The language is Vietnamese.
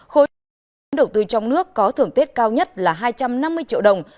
khối truyền đầu tư trong nước có thưởng tết cao nhất là hai trăm năm mươi triệu đồng